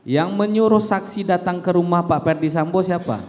yang menyuruh saksi datang ke rumah pak ferdisambo siapa